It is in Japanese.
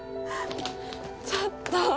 ちょっと！